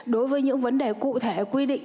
đối với những vấn đề cụ thể quy định